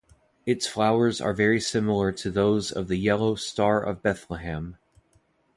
Its flowers are very similar to those of the Yellow Star-of-Bethlehem.